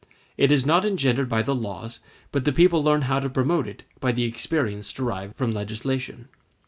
It is not engendered by the laws, but the people learns how to promote it by the experience derived from legislation.